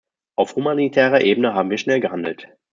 Auf humanitärer Ebene haben wir schnell gehandelt.